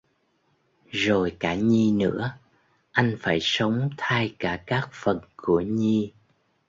Rồi cả Nhi nữa anh phải sống thay cả các phần của Nhi